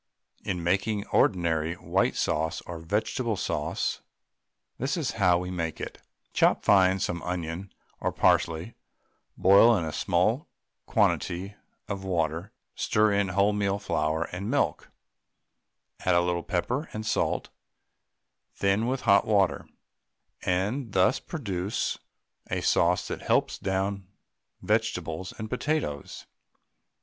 In making ordinary white sauce or vegetable sauce, this is how we make it; Chop fine some onion or parsley; boil in a small quantity of water, stir in wholemeal flour and milk, add a little pepper and salt, thin with hot water, and thus produce a sauce that helps down vegetables and potatoes.